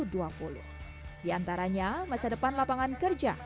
di antaranya masa depan lapangan kerja